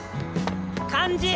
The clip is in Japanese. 漢字！